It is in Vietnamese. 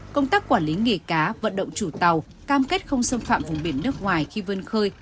công tác quản lý nghề cá vận động chủ tàu cam kết không xâm phạm vùng biển nước ngoài khi vươn khơi